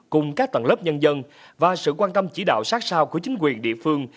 cùng các tầng lớp nhân dân và sự quan tâm chỉ đạo sát sao của chính quyền địa phương